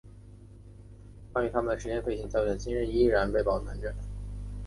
关于他的试验飞行胶卷今日依然被保存着。